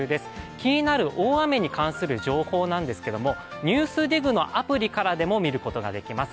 気になる大雨に関する情報ですが「ＮＥＷＳＤＩＧ」のアプリからでも見ることができます。